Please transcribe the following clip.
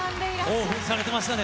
興奮されてましたね。